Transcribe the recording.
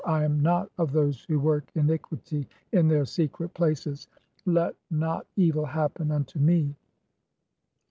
I am "not (9) of those who work iniquity in their secret places ; let "not evil happen unto me."